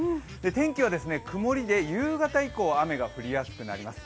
天気は曇りで夕方以降、雨が降りやすくなります。